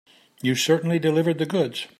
You certainly delivered the goods.